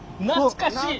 懐かしい！